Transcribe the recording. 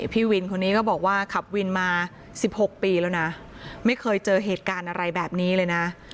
พี่วินคนนี้ก็บอกว่าขับวินมา๑๖ปีแล้วนะไม่เคยเจอเหตุการณ์อะไรแบบนี้เลยนะ